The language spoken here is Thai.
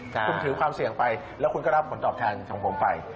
คุณถือความเสี่ยงไปแล้วคุณก็รับผลตอบแทนของผมไป